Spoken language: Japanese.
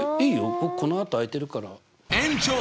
僕このあと空いてるから。